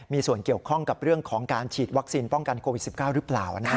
มีส่วนเกี่ยวข้องกับเรื่องของการฉีดวัคซีนป้องกันโควิด๑๙หรือเปล่า